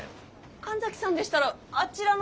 神崎さんでしたらあちらの。